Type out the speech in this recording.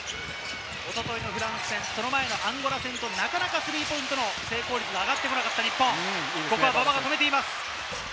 おとといのフランス戦、その前のアンゴラ戦と、なかなかスリーポイントの成功率が上がってこなかった日本。